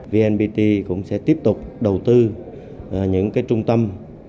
vnpt cũng sẽ tiếp tục đầu tư những trung tâm